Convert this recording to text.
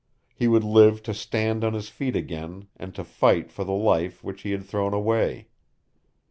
He would live to stand on his feet again and to fight for the life which he had thrown away.